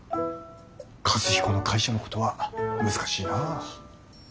和彦の会社のことは難しいな。